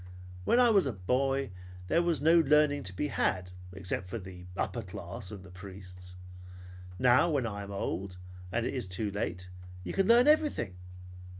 When I was a boy there was no learning to be had, except for the upper class and the priests. Now when I am old and it is too late, you can learn everything.